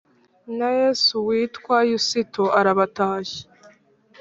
Na Yesu witwa Yusito arabatashya